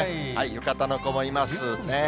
浴衣の子もいますね。